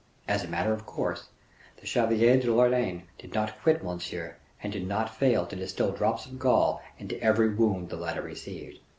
As a matter of course, the Chevalier de Lorraine did not quit Monsieur, and did not fail to distil drops of gall into every wound the latter received.